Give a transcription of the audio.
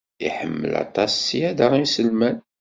Iḥemmel aṭas ṣṣyada n yiselman.